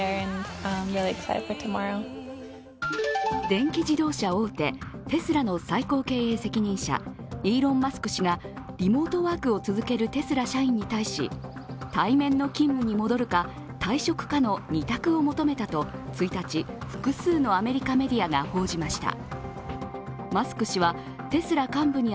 電気自動車大手テスラの最高経営責任者イーロン・マスク氏がリモートワークを続けるテスラ社員に対し、対面の勤務に戻るか退職かの２択を求めたと１日、複数のアメリカメディアが報じました。